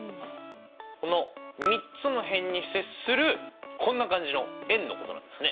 この３つの辺に接するこんな感じの円のことなんですね。